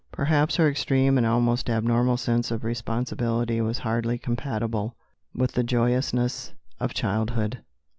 Perhaps her extreme and almost abnormal sense of responsibility was hardly compatible with the joyousness of childhood.